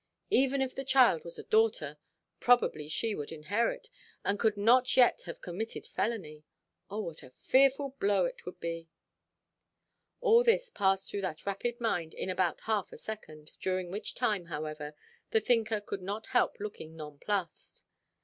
Even if the child was a daughter, probably she would inherit, and could not yet have committed felony. Oh, what a fearful blow it would be! All this passed through that rapid mind in about half a second, during which time, however, the thinker could not help looking nonplussed.